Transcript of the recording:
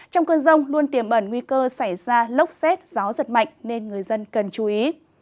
trong cơn rông luôn tiềm ẩn nguy cơ xảy ra lốc xét gió giật mạnh nên người dân cần chú ý